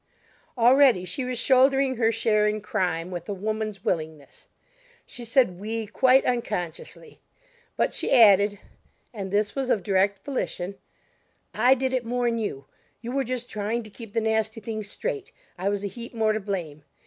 Already she was shouldering her share in crime, with a woman's willingness; she said "we" quite unconsciously; but she added (and this was of direct volition): "I did it more'n you; you were just trying to keep the nasty thing straight; I was a heap more to blame.